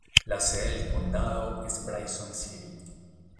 La sede del condado es Bryson City.